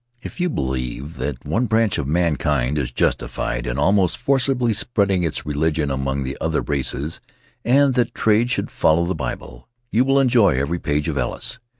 If you believe that one branch of mankind is justified in almost forcibly spreading its religion among the other races, and that trade should follow the Bible, you will enjoy every page of Ellis.